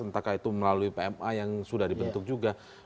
entah itu melalui pma yang sudah dibentuk juga